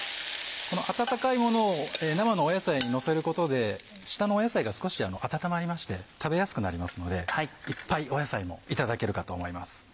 この温かいものを生の野菜にのせることで下の野菜が少し温まりまして食べやすくなりますのでいっぱい野菜もいただけるかと思います。